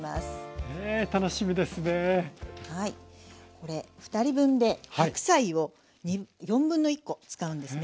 これ２人分で白菜を1/4コ使うんですね。